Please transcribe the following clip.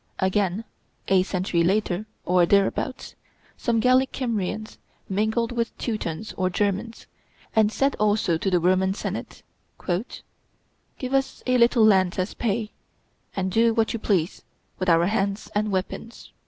Again, a century later, or thereabouts, some Gallic Kymrians, mingled with Teutons or Germans, said also to the Roman Senate, "Give us a little land as pay, and do what you please with our hands and weapons."